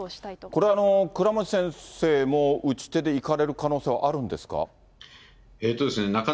これ、倉持先生も打ち手で行かれる可能性はあるんですか？